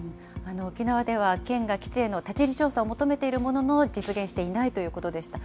沖縄では、県が基地への立ち入り調査を求めているものの実現していないということでした。